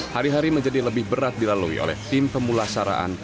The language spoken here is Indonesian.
hari hari menjadi lebih berat dilalui oleh tim pemulasaraan